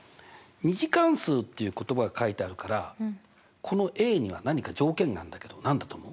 ２次関数っていう言葉が書いてあるからこのには何か条件があるんだけど何だと思う？